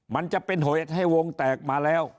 มันจะเป็นเหตุให้วงแตกมาแล้ว